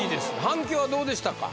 反響どうでしたか？